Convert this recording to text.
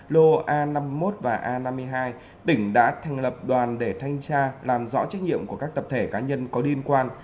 lô a năm mươi một và a năm mươi hai tỉnh đã thành lập đoàn để thanh tra làm rõ trách nhiệm của các tập thể cá nhân có liên quan